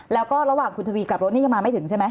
แล้วก็ระหว่างคุณทวีกลับรถนี่ยังมาไม่ถึงใช่ไหม